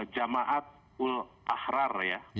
jamaat ul ahrar ya